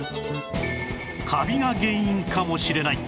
カビが原因かもしれない